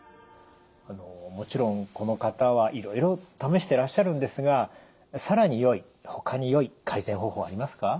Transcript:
もちろんこの方はいろいろ試してらっしゃるんですが更によいほかによい改善方法はありますか？